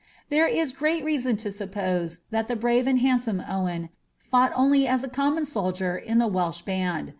There is great reason to suppose, that tha bniv« and hsiidsonie Owen fought only as a comniun soldier in the Walsh band.